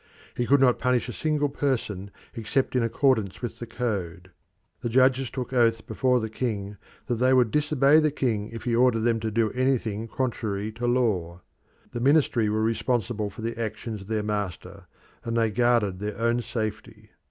He could not punish a single person except in accordance with the code; the judges took oath before the king that they would disobey the king if he ordered them to do anything contrary to law. The ministry were responsible for the actions of their master, and they guarded their own safety.